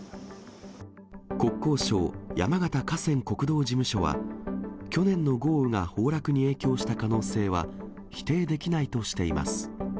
国交省山形河川国道事務所は、去年の豪雨が崩落に影響した可能性は否定できないとしています。